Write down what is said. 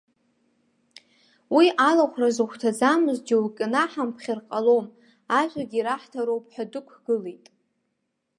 Уи алахәра зыхәҭаӡамыз џьоукы наҳамԥхьар ҟалом, ажәагьы раҳҭароуп ҳәа дықәгылеит.